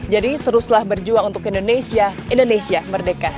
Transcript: jadi teruslah berjuang untuk indonesia indonesia merdeka